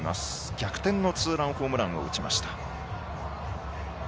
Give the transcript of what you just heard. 逆転のツーランホームランを打ちました。